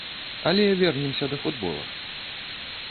Але вернемся да футбола.